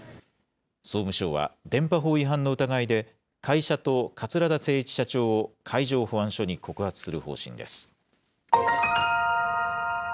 総務省は、電波法違反の疑いで会社と桂田精一社長を海上保安署に告発する方針です。